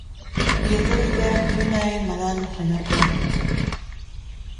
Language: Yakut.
Ийэтэ эрэйдээх түүн аайы манаан хонор буолбут